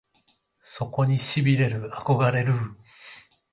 そこに痺れる憧れるぅ！！